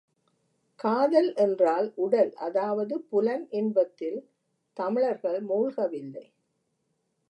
காதல் என்றால், உடல் அதாவது புலன் இன்பத்தில் தமிழர்கள் மூழ்கவில்லை.